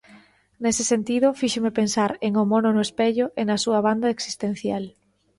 Nese sentido, fíxome pensar en O mono no espello e na súa banda existencial.